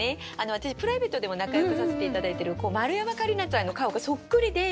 私プライベートでも仲よくさせて頂いてる丸山桂里奈ちゃんの顔がそっくりで。